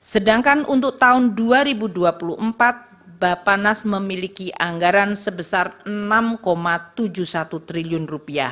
sedangkan untuk tahun dua ribu dua puluh empat bapanas memiliki anggaran sebesar rp enam tujuh puluh satu triliun